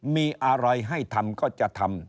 มีอะไรให้ทำก็จะทำ